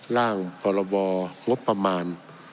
ร่างพรบงบประมาณ